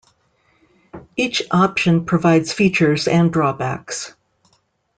Each option provides features and drawbacks.